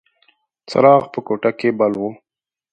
څراغ په کوټه کې بل و.